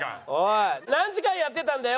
何時間やってたんだよ？